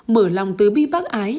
mở lòng tứ bi bác ái